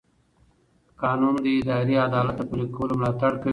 قانون د اداري عدالت د پلي کولو ملاتړ کوي.